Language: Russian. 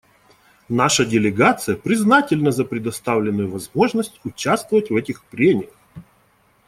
Наша делегация признательна за предоставленную возможность участвовать в этих прениях.